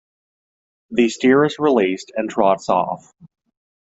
The steer is released and trots off.